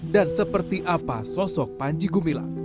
dan seperti apa sosok panji gumilang